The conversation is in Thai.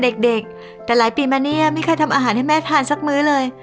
เด็กเด็กแต่หลายปีมาเนี่ยไม่เคยทำอาหารให้แม่ทานสักมื้อเลย